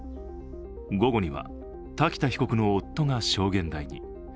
午後には瀧田被告の夫が証言台に。